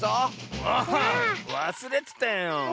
ああわすれてたよ。